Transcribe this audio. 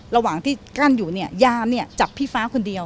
ระหว่างที่กั้นอยู่เนี่ยยามเนี่ยจับพี่ฟ้าคนเดียว